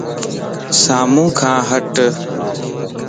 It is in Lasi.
سامو کان ھٽ